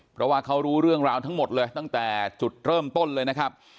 เพราะว่าเขารู้เรื่องราวทั้งหมดเลยตั้งแต่จุดเริ่มต้นเลยนะครับ